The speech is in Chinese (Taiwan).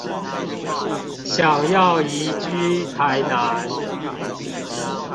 想要移居台南